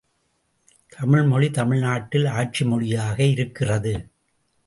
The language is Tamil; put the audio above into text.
தமிழ்மொழி தமிழ் நாட்டில் ஆட்சி மொழியாக இருக்கிறது.